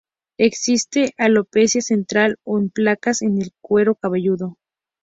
Existe alopecia central o en placas en el cuero cabelludo.